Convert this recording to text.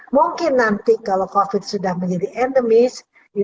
mungkin nanti kalau covid sudah menjadi endemis